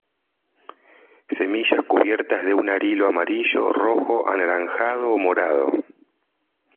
Semillas cubiertas de un arilo amarillo, rojo, anaranjado o morado.